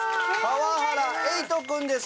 川原瑛都君です。